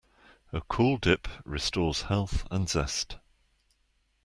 A cold dip restores health and zest.